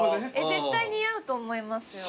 絶対似合うと思いますよ。